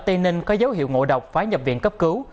ở tây ninh có dấu hiệu ngộ độc phái nhập viện cấp cứu